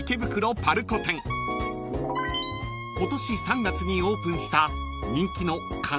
［今年３月にオープンした］